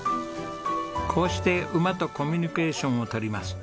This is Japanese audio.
こうして馬とコミュニケーションを取ります。